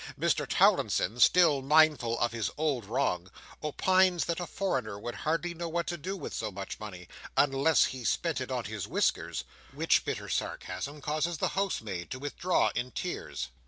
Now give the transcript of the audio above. Mr Towlinson, still mindful of his old wrong, opines that a foreigner would hardly know what to do with so much money, unless he spent it on his whiskers; which bitter sarcasm causes the housemaid to withdraw in tears.